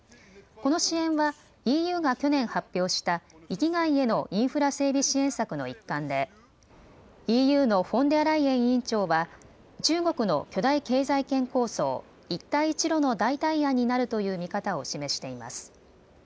この支援はＥＵが去年発表した域外へのインフラ整備支援策の一環でＥＵのフォンデアライエン委員長は中国の巨大経済圏構想、一帯一路の代替案になるという見方を示しています。